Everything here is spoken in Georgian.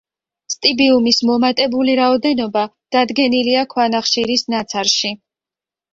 სტიბიუმის მომატებული რაოდენობა დადგენილია ქვანახშირის ნაცარში.